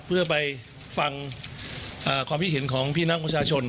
เพื่อไปฟังความคิดเห็นของพี่น้องประชาชน